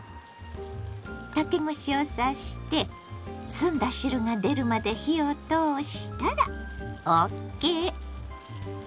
竹串を刺して澄んだ汁が出るまで火を通したらＯＫ。